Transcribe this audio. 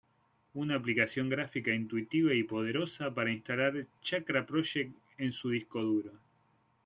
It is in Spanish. Una aplicación gráfica intuitiva y poderosa para instalar Chakra Project en su disco duro.